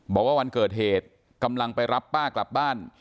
บอกว่าวันเกิดเหตุกำลังไปรับป้ากลับบ้าน